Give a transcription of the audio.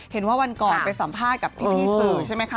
เห็นว่าวันก่อนไปสัมภาษณ์กับพี่สื่อใช่ไหมคะ